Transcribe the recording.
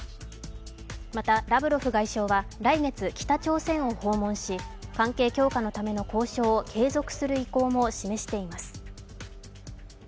またラブロフ外相は来月、北朝鮮を訪問し関係強化のための交渉を継続する意向も示しています。